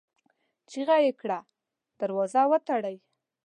چيغه يې کړه! دروازه وتړئ!